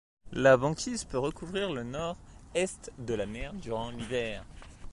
La banquise peut recouvrir le nord-est de la mer durant l'hiver.